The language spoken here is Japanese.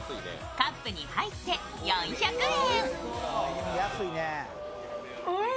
カップに入って４００円。